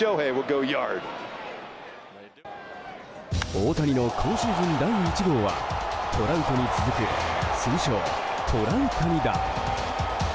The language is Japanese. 大谷の今シーズン第１号はトラウトに続く通称トラウタニ弾。